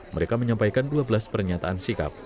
mereka menyampaikan dua belas pernyataan sikap